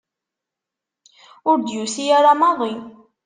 Ur d-yusi ara maḍi.